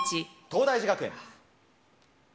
東大寺学園